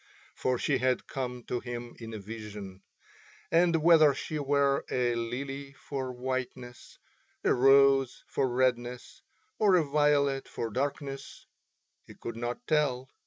For she had come to him in a vision; and whether she were a lily for whiteness, a rose for redness, or a violet for darkness he could not tell.